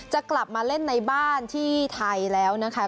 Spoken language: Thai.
จะกลับมาเล่นในบ้านที่ไทยแล้วนะคะ